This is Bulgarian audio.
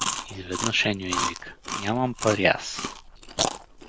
Изведнъж Еньо извика: — Нямам пари аз!